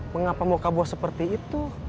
mengapa muka bos seperti itu